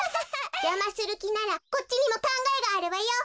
じゃまするきならこっちにもかんがえがあるわよ。